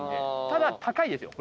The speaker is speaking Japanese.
ただ高いですよ。